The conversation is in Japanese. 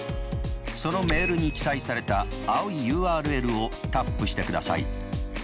そのメールに記載された青いＵＲＬをタップしてください。